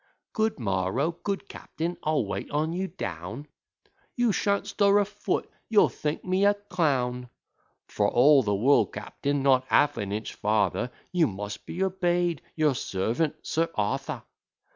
'Good morrow, good captain' 'I'll wait on you down' 'You shan't stir a foot' 'You'll think me a clown.' 'For all the world, captain, not half an inch farther' 'You must be obey'd Your servant, Sir Arthur!